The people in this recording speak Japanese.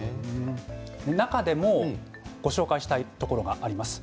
中でもご紹介したいところがあります。